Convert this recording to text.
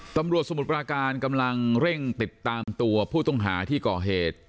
สมุทรปราการกำลังเร่งติดตามตัวผู้ต้องหาที่ก่อเหตุ